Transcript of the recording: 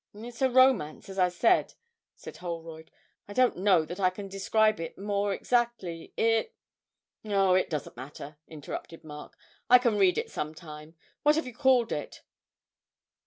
'It's a romance, as I said,' said Holroyd. 'I don't know that I can describe it more exactly: it ' 'Oh, it doesn't matter,' interrupted Mark. 'I can read it some time. What have you called it?'